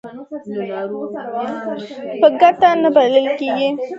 په ګټه نه بلل.